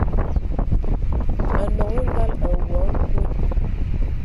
A nɔŋɔ ngal a woa a nkwe.